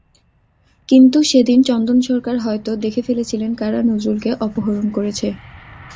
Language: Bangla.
কিন্তু সেদিন চন্দন সরকার হয়তো দেখে ফেলেছিলেন কারা নজরুলকে অপহরণ করেছে।